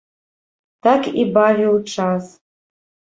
Так і бавіў час.